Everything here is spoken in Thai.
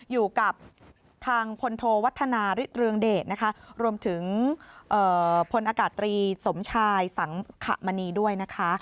อยู่กับทางพลโทวัฒนาฤทธเรืองเดชนะคะรวมถึงพลอากาศตรีสมชายสังขมณีด้วยนะคะ